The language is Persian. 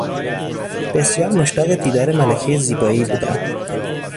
بسیار مشتاق دیدار ملکهی زیبایی بودم.